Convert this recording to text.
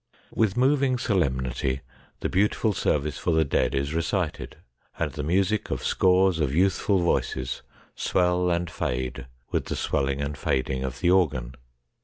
With moving solemnity the beautiful service for the dead is recited, and the music of scores of youthful voices swell and fade with the swelling and fading of the organ.